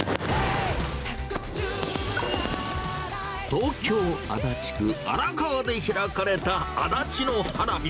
東京・足立区荒川で開かれた足立の花火。